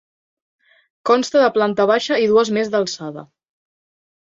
Consta de planta baixa i dues més d'alçada.